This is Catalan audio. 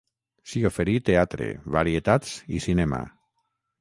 S'hi oferí teatre, varietats i cinema.